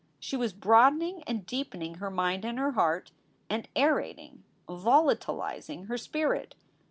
She was broadening and deepening her mind and her heart, and aerating, volatilizing her spirit.